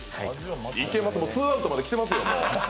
ツーアウトまで来てますよ、もう。